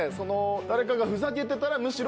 誰かがふざけてたらむしろ。